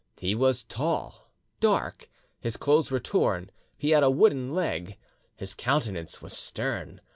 He was tall, dark; his clothes were torn; he had a wooden leg; his countenance was stern.